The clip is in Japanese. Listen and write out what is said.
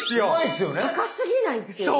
高すぎないっていうね。